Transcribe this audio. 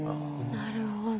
なるほどな。